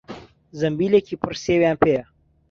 زەمبیلێکی پڕ سێویان پێیە.